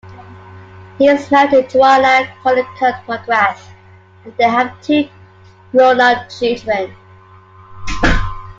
He is married to Joanna Collicutt McGrath and they have two grown up children.